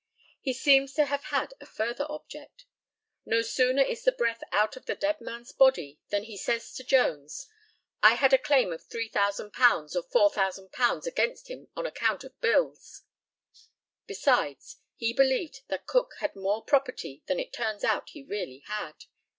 He seems to have had a further object. No sooner is the breath out of the dead man's body than he says to Jones, "I had a claim of £3,000 or £4,000 against him on account of bills." Besides, he believed that Cook had more property than it turns out he really had.